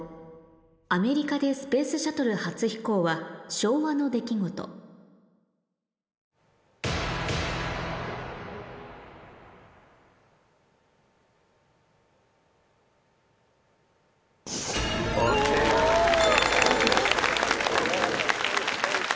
アメリカでスペースシャトル初飛行は昭和の出来事ＯＫ！